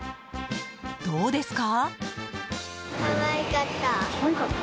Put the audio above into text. どうですか？